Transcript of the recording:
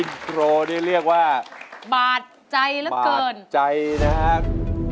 อินโทรนี่เรียกว่าบาดใจเหลือเกินใจนะครับ